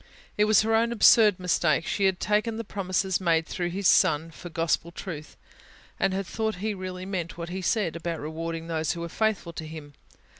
It was her own absurd mistake: she had taken the promises made through His Son, for gospel truth; had thought He really meant what He said, about rewarding those who were faithful to Him.